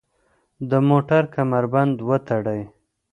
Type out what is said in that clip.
د موټر کمربند وتړئ.